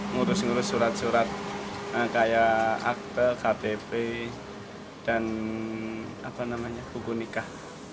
ngurus ngurus surat surat kayak akte ktp dan buku nikah